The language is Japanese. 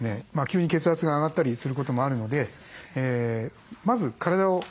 急に血圧が上がったりすることもあるのでまず体を少しあっためる。